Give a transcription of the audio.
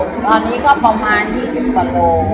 ตอนนี้ก็ประมาณ๒๐กว่าโล